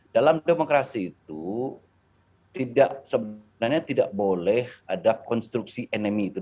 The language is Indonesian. dalam demokrasi itu sebenarnya tidak boleh ada konstruksi musuh